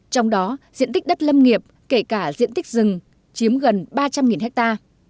trong đó diện tích đất lâm nghiệp kể cả diện tích rừng chiếm gần ba trăm linh ha